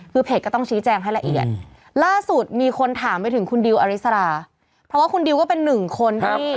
คือเพจก็ต้องชี้แจงให้ละเอียดล่าสุดมีคนถามไปถึงคุณดิวอริสราเพราะว่าคุณดิวก็เป็นหนึ่งคนที่